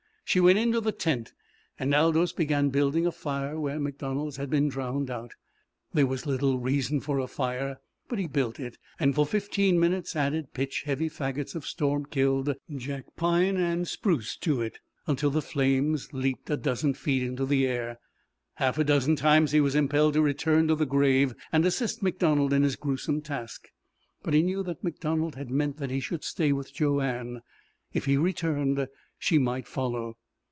She went into the tent and Aldous began building a fire where MacDonald's had been drowned out. There was little reason for a fire; but he built it, and for fifteen minutes added pitch heavy fagots of storm killed jack pine and spruce to it, until the flames leapt a dozen feet into the air. Half a dozen times he was impelled to return to the grave and assist MacDonald in his gruesome task. But he knew that MacDonald had meant that he should stay with Joanne. If he returned, she might follow.